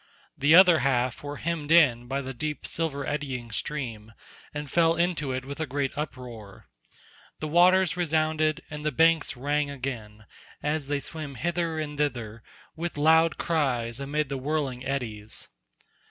The other half were hemmed in by the deep silver eddying stream, and fell into it with a great uproar. The waters resounded, and the banks rang again, as they swam hither and thither with loud cries amid the whirling eddies.